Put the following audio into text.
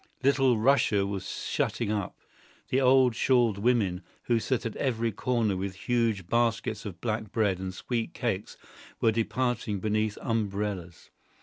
Little Russia was shutting up. The old shawled women, who sit at every corner with huge baskets of black bread and sweet cakes, were departing beneath umbrellas.